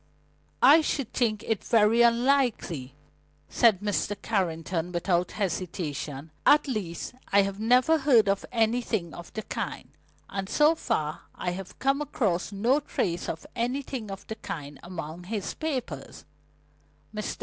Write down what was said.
"I should think it very unlikely," said Mr. Carrington without hesitation. "At least, I have never heard of anything of the kind, and so far I have come across no trace of anything of the kind among his papers."